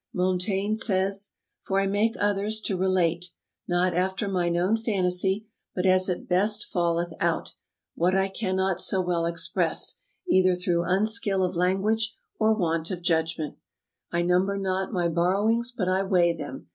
Montaigne says: "For I make others to relate (not after mine own fantasy, but as it best falleth out) what I cannot so well express, either through unskill of language or want of judgment. I number not my borrowings, but I weigh them.